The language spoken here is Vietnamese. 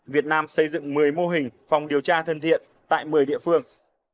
việt nam xây dựng một mươi mô hình phòng điều tra thân thiện tại một mươi địa phương